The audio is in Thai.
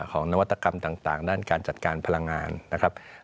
นวัตกรรมต่างด้านการจัดการพลังงานนะครับ